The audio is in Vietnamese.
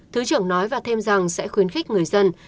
thứ trưởng nói và thêm rằng sẽ khuyến khích người dân